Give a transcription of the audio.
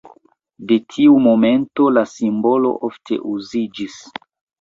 De tiu momento la simbolo ofte uziĝis.